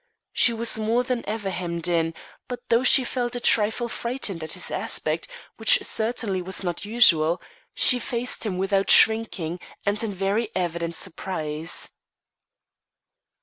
She was more than ever hemmed in; but, though she felt a trifle frightened at his aspect which certainly was not usual, she faced him without shrinking and in very evident surprise.